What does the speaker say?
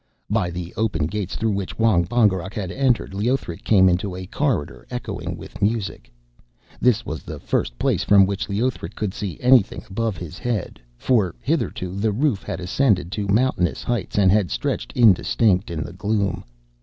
By the open gates through which Wong Bongerok had entered, Leothric came into a corridor echoing with music. This was the first place from which Leothric could see anything above his head, for hitherto the roof had ascended to mountainous heights and had stretched indistinct in the gloom.